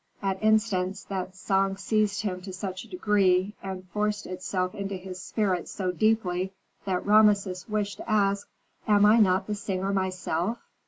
At instants that song seized him to such a degree, and forced itself into his spirit so deeply, that Rameses wished to ask: "Am I not the singer myself?